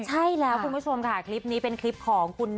คุณผู้ชมค่ะคลิปนี้เป็นคลิปของ